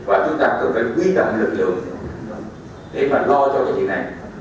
và chúng ta cần quyết định lực lượng để mà lo cho dịch này